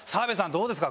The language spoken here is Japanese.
どうですか？